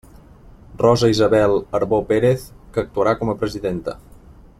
Rosa Isabel Arbó Pérez, que actuarà com a presidenta.